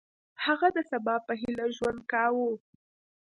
هغه د سبا په هیله ژوند کاوه.